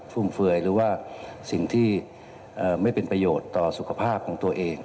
ฟุ่มเฟือยหรือว่าสิ่งที่ไม่เป็นประโยชน์ต่อสุขภาพของตัวเอง